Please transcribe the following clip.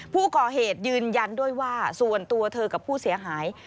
ผู้ก่อเหตุยืนยันด้วยว่าส่วนตัวเธอกับผู้เสียหาย